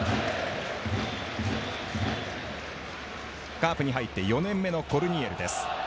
カープに入って４年目のコルニエルです。